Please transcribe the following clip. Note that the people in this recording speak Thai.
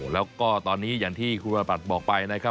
แล้วก็ตอนนี้อย่างที่คุณวรบัตรบอกไปนะครับ